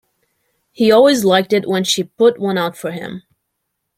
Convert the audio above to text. He always liked it when she put one out for him.